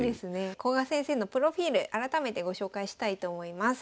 古賀先生のプロフィール改めてご紹介したいと思います。